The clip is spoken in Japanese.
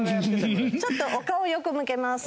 ちょっとお顔横向けます